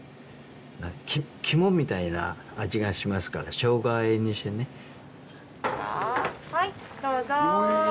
肝みたいな味がしますからしょうがあえにしてねはいどうぞうぃ